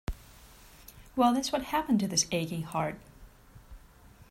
Well, that's what happened to this aching heart.